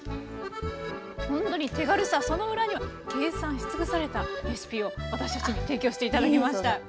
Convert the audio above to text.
ほんとに手軽さその裏には計算し尽くされたレシピを私たちに提供して頂きました。